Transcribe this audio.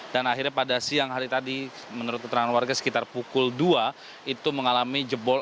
dan akhirnya pada siang hari tadi menurut keterangan warga sekitar pukul dua itu mengalami jebol